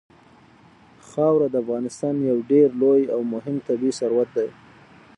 خاوره د افغانستان یو ډېر لوی او مهم طبعي ثروت دی.